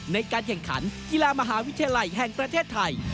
ในการแข่งขันกีฬามหาวิทยาลัยแห่งประเทศไทย